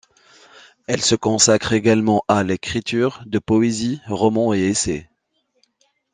Elle se consacre également à l'écriture, de poésie, romans et essais.